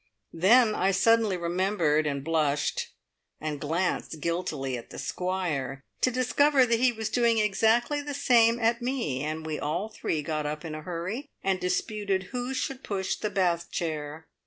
Then I suddenly remembered and blushed, and glanced guiltily at the Squire, to discover that he was doing exactly the same at me, and we all three got up in a hurry, and disputed who should push the bath chair.